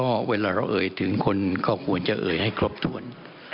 เพราะเวลาเราเอ่ยถึงคนก็ควรจะเอ่ยให้ครบถ้วน